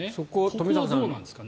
そこはどうなんですかね。